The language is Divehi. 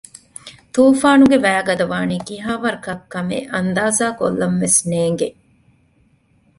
ތޫފާނުގެ ވައިގަދަވާނީ ކިހާވަރަކަށް ކަމެއް އަންދާޒާކޮށްލަންވެސް ނޭނގެ